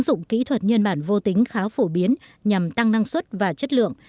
ứng dụng kỹ thuật nhân bản vô tính khá phổ biến nhằm tăng năng suất và chất lượng